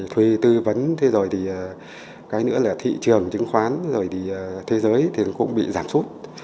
thuê tư vấn thế rồi thì cái nữa là thị trường chứng khoán rồi thì thế giới thì cũng bị giảm sút